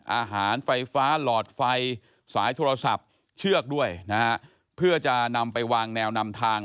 อาหารไฟฟ้าหลอดไฟสายโทรศัพท์เชือกด้วยนะฮะเพื่อจะนำไปวางแนวนำทาง